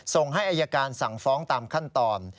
ส่งให้อายการสั่งฟ้องตามขั้นตอน